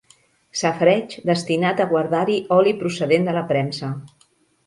Safareig destinat a guardar-hi oli procedent de la premsa.